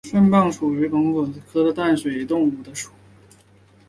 蛏蚌属为蚌目蚌科隆嵴蚌亚科一个淡水动物的属。